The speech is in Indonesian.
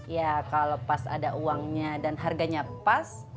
ya kalau pas ada uangnya dan harganya pas